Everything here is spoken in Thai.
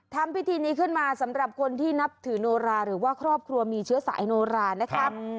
ทำพิธีนี้ขึ้นมาสำหรับคนที่นับถือโนราหรือว่าครอบครัวมีเชื้อสายโนรานะครับ